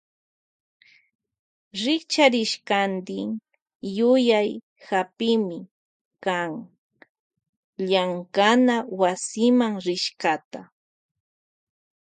Rikcharishkanti yuyay hapimi kan llankana wasima rishkata.